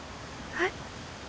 はい？